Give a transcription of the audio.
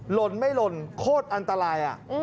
หล่นไม่หล่นโคตรอันตราย